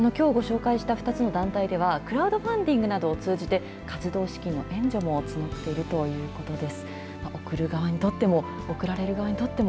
きょうご紹介した２つの団体ではクラウドファンディングなどを通じて活動資金の援助も募っているということです。